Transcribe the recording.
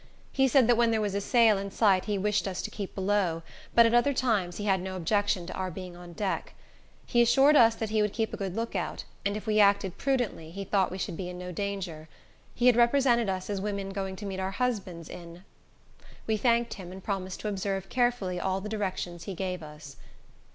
He said that when there was a sail in sight he wished us to keep below; but at other times, he had no objection to our being on deck. He assured us that he would keep a good lookout, and if we acted prudently, he thought we should be in no danger. He had represented us as women going to meet our husbands in ——. We thanked him, and promised to observe carefully all the directions he gave us.